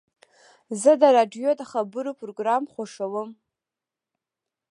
زه د راډیو د خبرو پروګرام خوښوم.